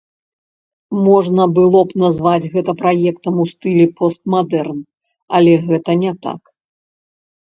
Можна было б назваць гэта праектам у стылі пост-мадэрн, але гэта не так.